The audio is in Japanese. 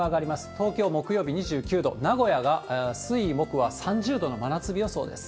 東京、木曜日２９度、名古屋が水曜日は３０度の真夏日予想です。